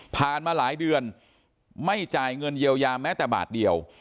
มาหลายเดือนไม่จ่ายเงินเยียวยาแม้แต่บาทเดียว